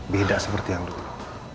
beda seperti yang dulu